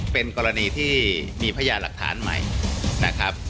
เป็นกรณีที่มีพยาหลักฐานใหม่นะครับ